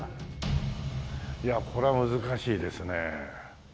いやあこれは難しいですね。